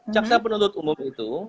jaksa penuntut umum itu